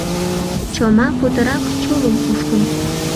Чома путырак чулым кушкын.